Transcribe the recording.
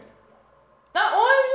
あっおいしい！